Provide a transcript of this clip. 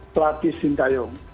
pelatih sinta yong